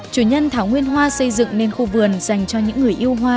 chủ nhân thảo nguyên hoa xây dựng nên khu vườn dành cho những người yêu hoa